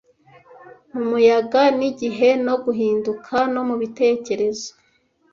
Mumuyaga nigihe no guhinduka, no mubitekerezo